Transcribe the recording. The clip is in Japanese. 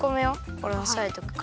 おれおさえとくから。